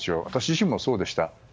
私自身もそうでした。